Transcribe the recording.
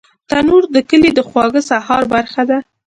تنور د کلي د خواږه سهار برخه ده